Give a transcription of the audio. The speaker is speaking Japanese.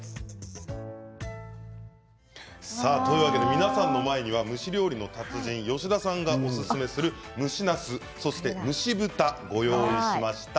皆さんの前には蒸し料理の達人、吉田さんがおすすめする、蒸しなすそして蒸し豚をご用意しました。